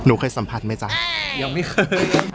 เคยสัมผัสไหมจ๊ะยังไม่เคย